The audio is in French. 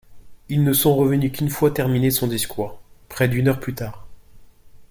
Ils ne sont revenus qu'une fois terminé son discours, près d'une heure plus tard.